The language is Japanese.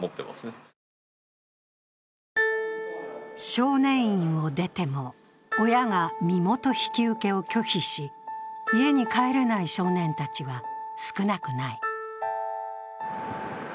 少年院を出ても、親が身元引き受けを拒否し、家に帰れない少年たちは少なくない。